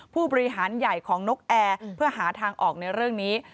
ผู้บริหารใหญ่ของนกแอร์เพื่อหาทางออกในเรื่องนี้